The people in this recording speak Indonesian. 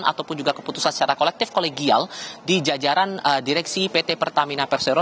ataupun juga keputusan secara kolektif kolegial di jajaran direksi pt pertamina persero